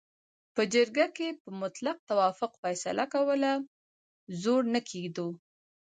په جرګه کې به مطلق توافق فیصله کوله، زور نه کېدلو.